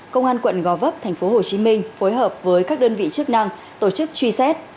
công an quận gò vấp tp hcm phối hợp với các đơn vị chức năng tổ chức truy xét